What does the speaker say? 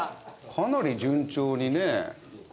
かなり順調にね。